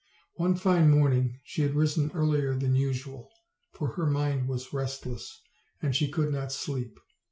One fine morning she had risen earlier than usual, for her mind was restless, and she could not sleep.